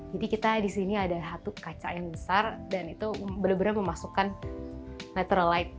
jadi kita di sini ada satu kaca yang besar dan itu benar benar memasukkan natural light